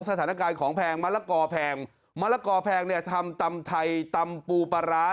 สถานการณ์ของแพงมะละกอแพงมะละกอแพงเนี่ยทำตำไทยตำปูปลาร้า